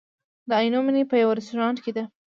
د عینومېنې په یوه رستورانت کې ده.